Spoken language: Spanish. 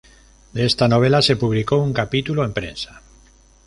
De esta novela se publicó un capítulo en prensa.